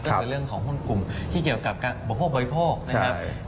ก็คือเรื่องของหุ้นกลุ่มที่เกี่ยวกับการอุปโภคบริโภคนะครับ